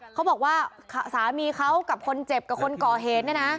เขาบอกว่าสามีเขากับคนเจ็บกับคนก่อเหตุเนี่ยนะ